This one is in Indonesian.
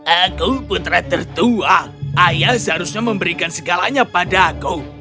aku putra tertua ayah seharusnya memberikan segalanya pada aku